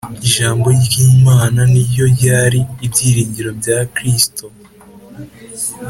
Ijambo ry’Imana niryo ryari ibyiringiro bya Kristo